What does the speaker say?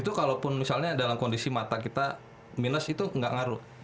itu kalaupun misalnya dalam kondisi mata kita minus itu nggak ngaruh